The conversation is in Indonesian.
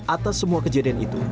atas semua kejadian itu